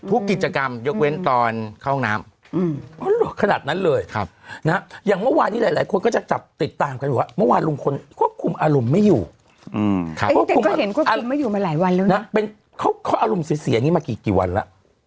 เป็นเขาอารมณ์เสียนี่มากี่วันละ